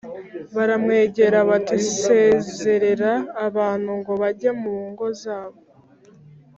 baramwegera bati Sezerera abantu ngo bajye mu ngo zabo